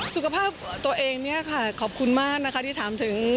สุขภาพตัวเองค่ะขอบคุณมากที่ถามถึง